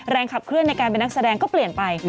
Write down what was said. ขับเคลื่อนในการเป็นนักแสดงก็เปลี่ยนไป